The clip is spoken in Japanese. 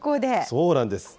そうなんです。